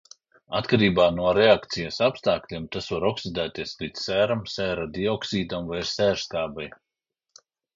Atkarībā no reakcijas apstākļiem, tas var oksidēties līdz sēram, sēra dioksīdam vai sērskābei.